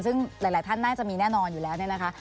ซึ่งหลายท่านน่าจะมีแน่นอนอยู่แล้วเนี่ยนะคะ